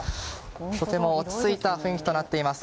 とても落ち着いた雰囲気となっています。